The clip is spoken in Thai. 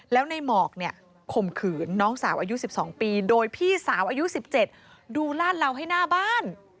แล้วในหมอกเนี่ยข่มขืนน้องสาวอายุ๑๒ปีโดยพี่สาวอายุ๑๗ดูลาดเหลาให้หน้าบ้าน